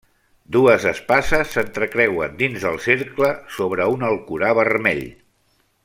Dues espases s'entrecreuen dins del cercle sobre un Alcorà vermell.